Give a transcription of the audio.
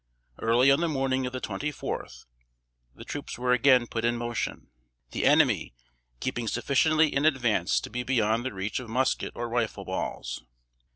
Early on the morning of the twenty fourth, the troops were again put in motion: the enemy keeping sufficiently in advance to be beyond the reach of musket or rifle balls.